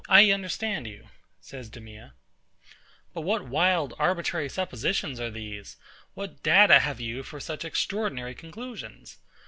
I understand you, says DEMEA: But what wild, arbitrary suppositions are these! What data have you for such extraordinary conclusions?